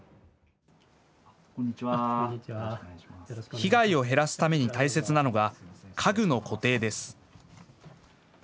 被害を減らすために大切なのが家具の固定です。